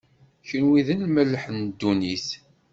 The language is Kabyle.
kenwi, d lmelḥ n ddunit.